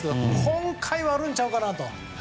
今回は、あるんちゃうかなと。